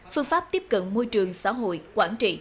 phương pháp tiếp cận môi trường xã hội quản trị